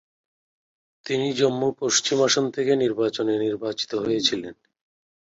তিনি জম্মু পশ্চিম আসন থেকে নির্বাচনে নির্বাচিত হয়েছিলেন।